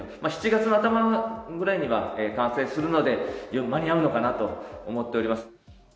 ７月の頭ぐらいには完成するので、間に合うのかなと思っております。